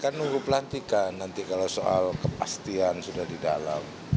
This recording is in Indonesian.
kita nunggu pelantikan nanti kalau soal kepastian sudah di dalam